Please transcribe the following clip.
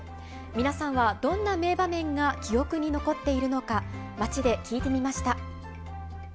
皆さんはどんな名場面が記憶に残っているのか、街で聞いてみまし